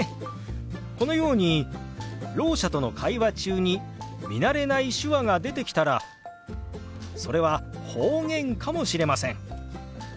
このようにろう者との会話中に見慣れない手話が出てきたらそれは方言かもしれません。